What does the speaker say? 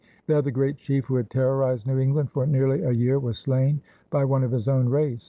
There the great chief who had terrorized New England for nearly a year was slain by one of his own race.